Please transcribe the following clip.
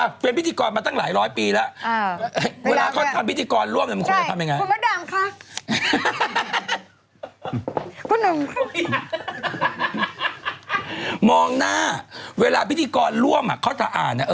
เขาชื่ออะไรกันบ้างคะ